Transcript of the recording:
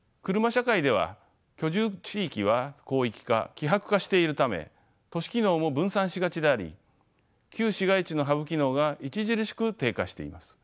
社会では居住地域は広域化希薄化しているため都市機能も分散しがちであり旧市街地のハブ機能が著しく低下しています。